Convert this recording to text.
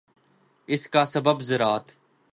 اس کا سبب ذرات